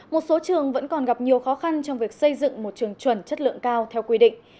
một số trường vẫn còn gặp nhiều khó khăn trong việc xây dựng một trường chuẩn chất lượng cao theo quy định